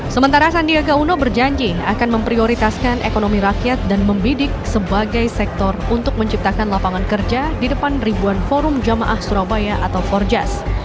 sementara sandiaga uno berjanji akan memprioritaskan ekonomi rakyat dan membidik sebagai sektor untuk menciptakan lapangan kerja di depan ribuan forum jamaah surabaya atau forjas